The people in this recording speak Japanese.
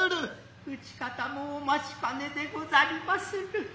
夫人もお待兼ねでござりまする。